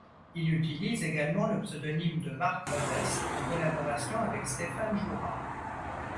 Il utilise également le pseudonyme de Marc Revest en collaboration avec Stéphane Jourat.